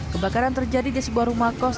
kebakaran terjadi di sebuah rumah kos